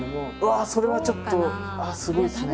それはちょっとすごいですね。